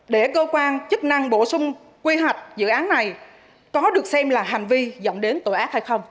để cơ quan chức năng bổ sung quy hoạch dự án này có được xem là hành vi dẫn đến tội ác hay không